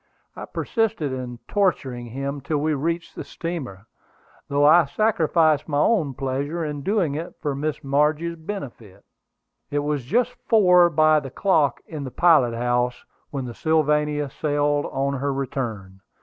I persisted in torturing him till we reached the steamer, though I sacrificed my own pleasure in doing it for Miss Margie's benefit. It was just four by the clock in the pilot house when the Sylvania sailed on her return.